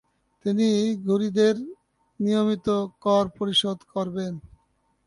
তিনি ঘুরিদের নিয়মিত কর পরিশোধ করবেন।